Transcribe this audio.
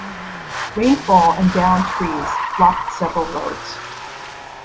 Rainfall and downed trees blocked several roads.